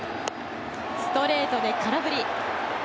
ストレートで空振り。